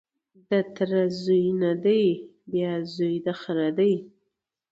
د تره زوی نه دی بیا زوی د خره دی